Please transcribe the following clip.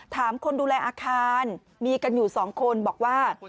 คนดูแลอาคารมีกันอยู่๒คนบอกว่า